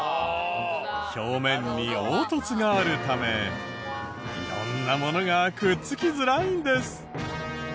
表面に凹凸があるため色んなものがくっつきづらいんです。